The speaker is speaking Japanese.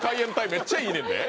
めっちゃいいねんで。